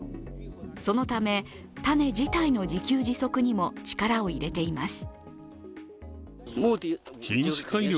そのため、種自体の自給自足にも力を入れています。